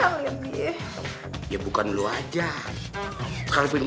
ini ini ini kaya ini ganteng